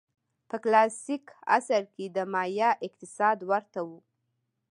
په کلاسیک عصر کې د مایا اقتصاد ورته و.